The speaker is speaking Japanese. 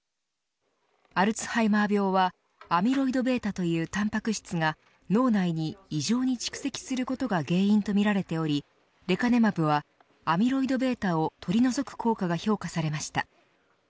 アルツハイマー病はアミロイドβというタンパク質が脳内に異常に蓄積することが原因とみられておりレカネマブはアミロイドβを取り除く効果が評価されました。